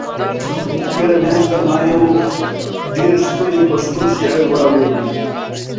تېره میاشت ما یو ډېر ښکلی پښتو شعر واورېد.